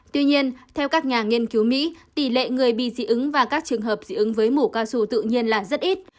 tuy nhiên theo các nhà nghiên cứu mỹ tỷ lệ người bị dị ứng và các trường hợp dị ứng với mũ cao su tự nhiên là rất ít